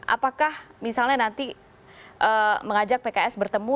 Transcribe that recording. apakah misalnya nanti mengajak pks bertemu